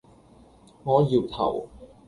我搖頭